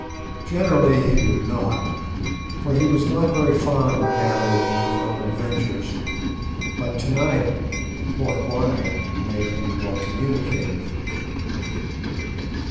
Generally he would not, for he was not very fond of narrating his own adventures, but to night the port wine made him more communicative.